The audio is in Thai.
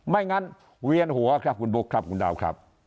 ไม่งั้นเวียนหัวครับคุณบุ๊คครับคุณดาวครับ